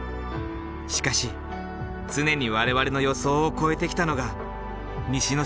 しかし常に我々の予想を超えてきたのが西之島だ。